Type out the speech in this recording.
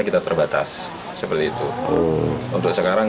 kita terbatas seperti itu untuk sekarang